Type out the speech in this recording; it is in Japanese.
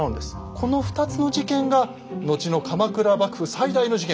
この２つの事件が後の鎌倉幕府最大の事件